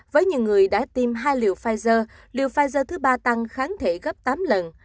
với những người đã tiêm hai liều pfizer liều pfizer thứ ba tăng kháng thể gấp tám lần